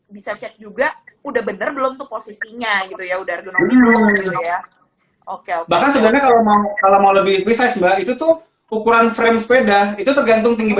bisa cek juga udah bener belum tuh posisinya gitu ya udah genung genung gitu ya